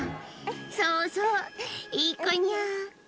そうそう、いい子にゃー。